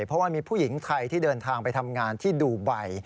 เพราะว่ามีผู้หญิงไทยที่เดินทางไปทำงานที่ดูไบ